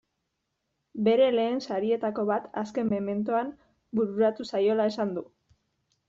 Bere lehen sarietako bat azken mementoan bururatu zaiola esan du.